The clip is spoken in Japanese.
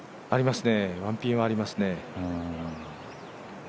ワンピンはありますね。